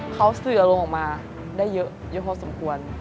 เขาสื่อออกมาได้เยอะเยอะพอสำควร